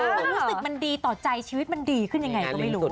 มันรู้สึกมันดีต่อใจชีวิตมันดีขึ้นยังไงก็ไม่รู้